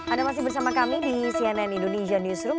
anda masih bersama kami di cnn indonesia newsroom